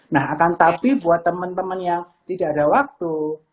nah akan tapi buat teman teman yang tidak ada waktu